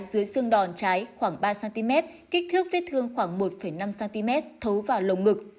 dưới xương đòn trái khoảng ba cm kích thước vết thương khoảng một năm cm thấu vào lồng ngực